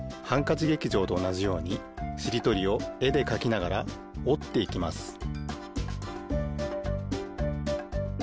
「ハンカチ劇場」とおなじようにしりとりをえでかきながらおっていきます